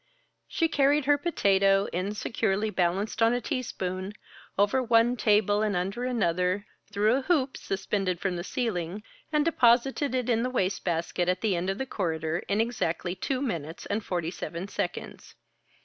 She carried her potato, insecurely balanced on a teaspoon, over one table and under another, through a hoop suspended from the ceiling, and deposited it in the wastebasket at the end of the corridor, in exactly two minutes and forty seven seconds.